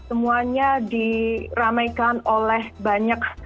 semuanya diramaikan oleh banyak